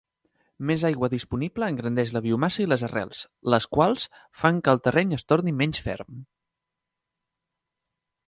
Més aigua disponible engrandeix la biomassa i les arrels, les quals fan que el terreny es torni menys ferm.